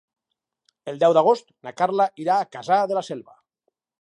El deu d'agost na Carla irà a Cassà de la Selva.